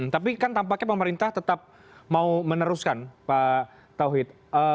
tapi kan tampaknya pemerintah tetap mau meneruskan pak tauhid